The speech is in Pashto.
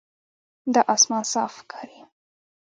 دا آسمان صاف ښکاري.